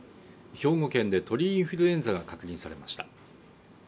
兵庫県で鳥インフルエンザが確認されました。